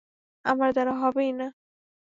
আমার দ্বারা হবেই না।